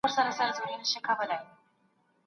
ما د حقایقو په اړه یو نوی راپور ولیکل.